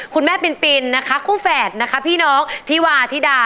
คุณแม่ปินนะคะคู่แฝดนะคะพี่น้องที่วาธิดา